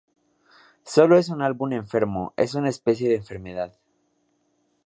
Solo es un álbum enfermo, es una especie de enfermedad.